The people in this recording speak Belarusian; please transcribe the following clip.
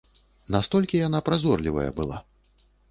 Настолькі яна празорлівая была.